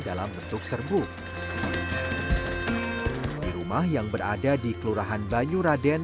di rumah yang berada di kelurahan banyu raden